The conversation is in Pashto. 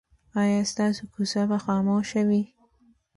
ایا ستاسو کوڅه به خاموشه وي؟